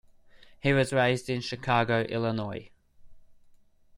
He was raised in Chicago, Illinois.